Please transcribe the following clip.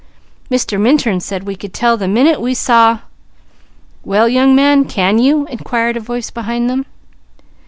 Mr. Minturn said we could tell the minute we saw him " "Well young man, can you?" inquired a voice behind them.